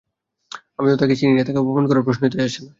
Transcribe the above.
আমি তো তাঁকে চিনিই না, তাঁকে অপমান করার প্রশ্নই তাই আসে না।